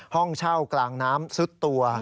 ห้องเช่ากลางน้ำซุดตัว